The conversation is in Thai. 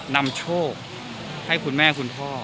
นำโชคให้คุณแม่คุณพ่อ